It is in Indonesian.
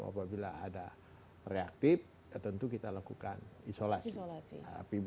apabila ada reaktif tentu kita lakukan isolasi